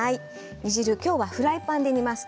きょうはフライパンで煮ます。